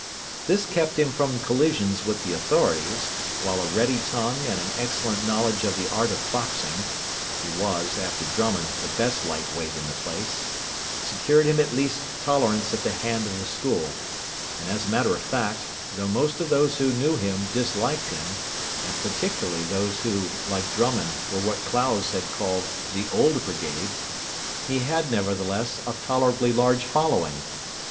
This kept him from collisions with the authorities; while a ready tongue and an excellent knowledge of the art of boxing he was, after Drummond, the best Light Weight in the place secured him at least tolerance at the hand of the school: and, as a matter of fact, though most of those who knew him disliked him, and particularly those who, like Drummond, were what Clowes had called the Old Brigade, he had, nevertheless, a tolerably large following.